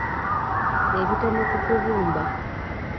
Ebitono ku kubumba.